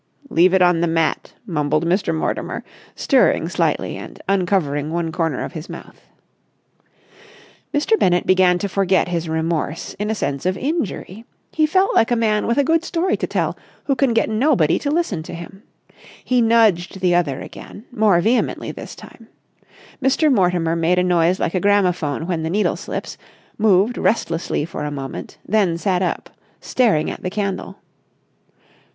"Leave it on the mat," mumbled Mr. Mortimer, stirring slightly and uncovering one corner of his mouth. Mr. Bennett began to forget his remorse in a sense of injury. He felt like a man with a good story to tell who can get nobody to listen to him. He nudged the other again, more vehemently this time. Mr. Mortimer made a noise like a gramophone when the needle slips, moved restlessly for a moment, then sat up, staring at the candle.